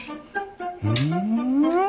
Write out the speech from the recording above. うん？